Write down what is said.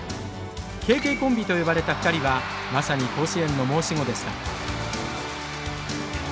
ＫＫコンビと呼ばれた２人はまさに甲子園の申し子でした。